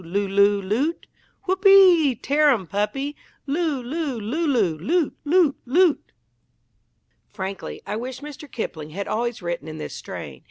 Lulu! Loot! Whoopee! Tear 'im, puppy! Loo! Loo! Lulu! Loot! Loot! Loot! Frankly, I wish Mr. Kipling had always written in this strain.